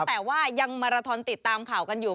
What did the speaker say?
แต่ว่ายังมาราทอนติดตามข่าวกันอยู่